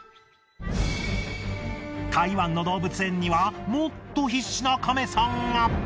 台湾の動物園にはもっと必死なカメさんが。